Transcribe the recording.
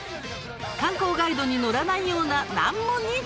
観光ガイドに載らないような難問に挑戦します。